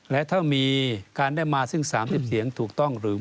และถ้ามีการได้มาซึ่ง๓๐เสียงถูกต้องหรือ